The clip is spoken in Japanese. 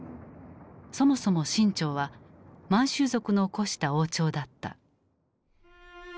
そもそも清朝は満州族の興した王朝だった。